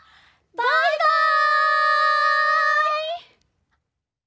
バイバイ！